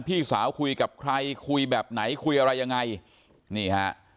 พี่สาวคุยกับใครคุยแบบไหนคุยอะไรยังไงนี่ฮะ